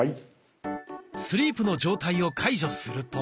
スリープの状態を解除すると。